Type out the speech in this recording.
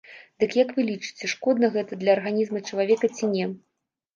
Дык як вы лічыце, шкодна гэта для арганізма чалавека ці не?